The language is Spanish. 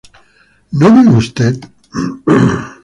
¿no vive usted?